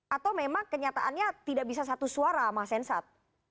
atau memang kenyataannya tidak bisa satu suara mas hensat